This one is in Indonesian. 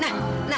aneh aja tuh saya